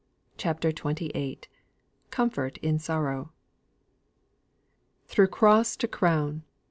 CHAPTER XXVIII. COMFORT IN SORROW. "Through cross to crown!